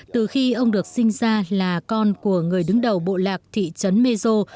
từ khi ông được sinh ra là con của người đứng đầu bộ lạc thị trấn mezo